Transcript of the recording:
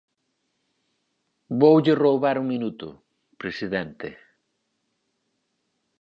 Voulle roubar un minuto, presidente.